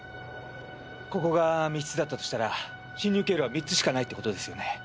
ここが密室だとしたら侵入経路は３つしかないって事ですよね。